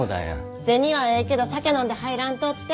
銭はええけど酒飲んで入らんとって。